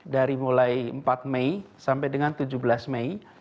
dari mulai empat mei sampai dengan tujuh belas mei